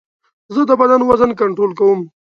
زه د بدن وزن کنټرول کوم.